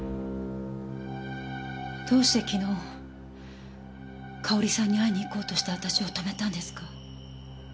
どうして昨日佳保里さんに会いに行こうとした私を止めたんですか？